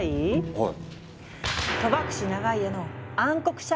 はい！